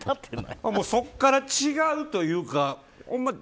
そこから違うというか。